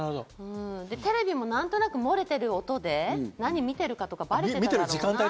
テレビも何となく漏れてる音で何見てるかとかバレてるだろうなって。